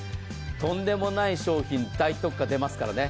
とんでもない商品、大特価出ますからね。